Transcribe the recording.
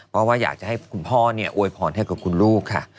เพราะว่าอยากจะให้คุณพ่อเนี่ยอวยพรให้กับคุณลูกค่ะ